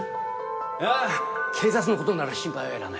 いや警察の事なら心配はいらない。